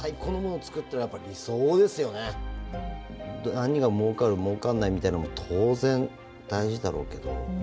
何がもうかるもうかんないみたいのも当然大事だろうけど。